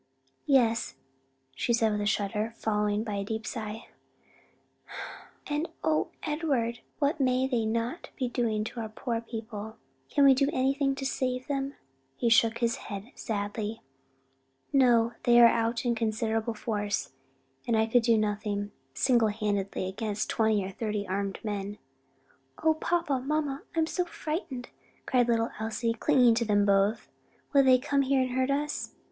"Yes," she said with a shudder, followed by a deep sigh, "and O Edward what may they not be doing to our poor people? can we do anything to save them?" He shook his head sadly. "No: they are out in considerable force, and I could do nothing, single handed, against twenty or thirty armed men." "O papa, mamma, I am so frightened!" cried little Elsie, clinging to them both. "Will they come here and hurt us?"